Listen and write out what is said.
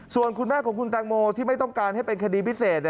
ส่วนคุณแม่ของคุณแตงโมที่ไม่ต้องการให้เป็นคดีพิเศษ